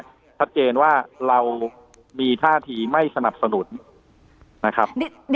ชัดเจนว่าเรามีท่าทีไม่สนับสนุนนะครับ